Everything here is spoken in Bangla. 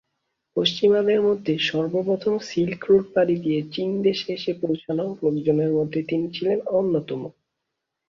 পশ্চিমাদের মধ্যে সর্বপ্রথম সিল্ক রোড পাড়ি দিয়ে চীন দেশে এসে পৌঁছানো লোকজনের মধ্যে তিনি ছিলেন অন্যতম।